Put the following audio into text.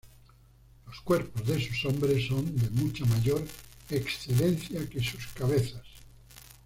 Los cuerpos de sus hombres son de mucha mayor excelencia que sus cabezas.